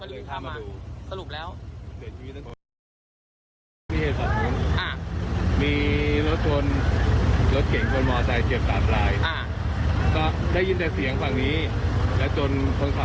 เป็นแสงหมดแล้วครับ